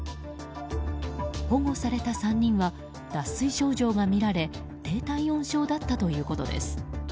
保護された３人は脱水症状が見られ低体温症だったということです。